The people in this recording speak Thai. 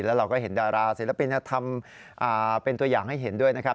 แล้วเราก็เห็นดาราศิลปินธรรมเป็นตัวอย่างให้เห็นด้วยนะครับ